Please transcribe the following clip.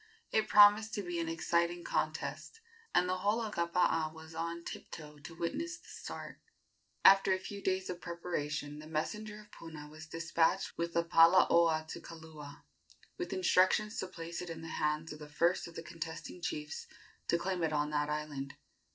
It promised to be an exciting contest, and the whole of Kapaa was on tiptoe to witness the start. After a few days of preparation the messenger of Puna was despatched with the palaoa to Kaula, with instructions to place it in the hands of the first of the contesting chiefs to claim it on that island.